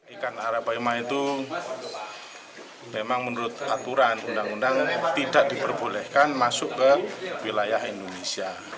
ikan arapaima itu memang menurut aturan undang undang tidak diperbolehkan masuk ke wilayah indonesia